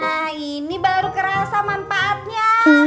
nah ini baru kerasa manfaatnya